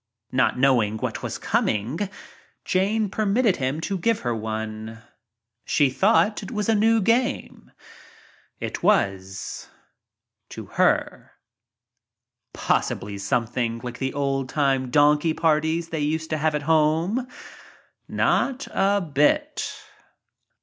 Not know ing what was coming, Jane permitted him to give her one. She thought it was a new game. It was — to her. Possibly something like the old Jtime donkey parties they used to have at home? Not d bit!